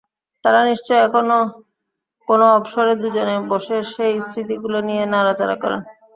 তাঁরা নিশ্চয় এখনো কোনো অবসরে দুজনে বসে সেই স্মৃতিগুলো নিয়ে নাড়াচাড়া করেন।